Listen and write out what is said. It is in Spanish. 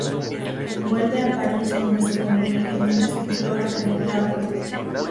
Vuelve a París donde se convierte en un escultor acreditado.